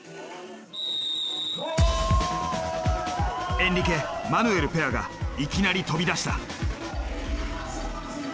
エンリケマヌエルペアがいきなり飛び出した。